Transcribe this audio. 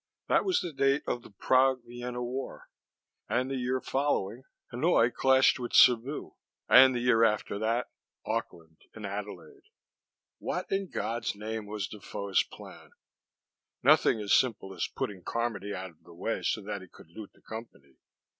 That was the date of the Prague Vienna war. And the year following, Hanoi clashed with Cebu. And the year after that, Auckland and Adelaide. What in God's name was Defoe's plan? Nothing as simple as putting Carmody out of the way so that he could loot the Company.